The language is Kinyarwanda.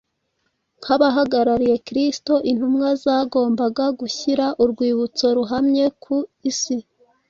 Nk’abahagarariye Kristo, intumwa zagombaga gushyira urwibutso ruhamye ku isi.